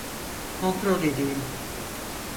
Kontrol edeyim.